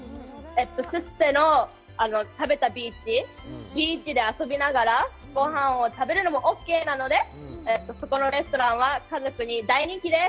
ススペの食べたビーチ、ビーチで遊びながらごはんを食べるのもオーケーなので、そこのレストランは家族に大人気です。